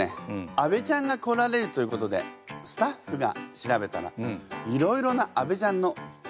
安倍ちゃんが来られるということでスタッフが調べたらいろいろな安倍ちゃんの伝説が出てきたんです。